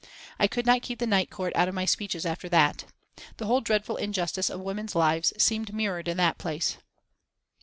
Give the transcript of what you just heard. I could not keep the Night Court out of my speeches after that. The whole dreadful injustice of women's lives seemed mirrored in that place.